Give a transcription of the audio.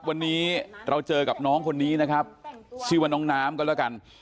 วันนี้เราเจอกับน้องคนนี้นะครับชื่อว่าน้องน้ำก็แล้วกัน